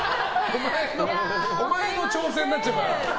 お前の挑戦になっちゃうから。